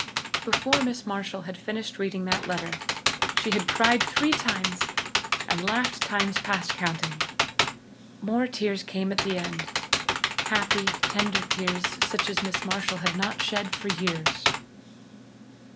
Before Miss Marshall had finished reading that letter she had cried three times and laughed times past counting. More tears came at the end happy, tender tears such as Miss Marshall had not shed for years.